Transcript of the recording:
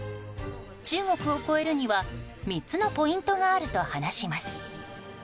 中国を超えるには３つのポイントがあると話します。